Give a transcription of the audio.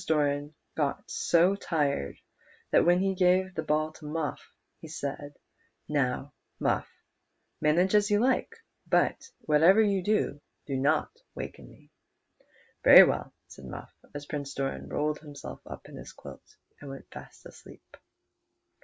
At last Doran got so tired that when he gave tlic ball to Muff he said, "Now, Muff, manage as you like ; but whatever }'ou do, do not waken nie." " Very well," said Muff, as Prince Doran rolled him self up in his quilt and went fast asleep.